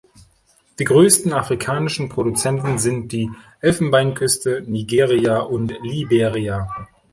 Die größten afrikanischen Produzenten sind die Elfenbeinküste, Nigeria und Liberia.